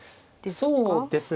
そうですね